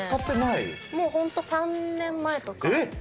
もうホント３年前とか。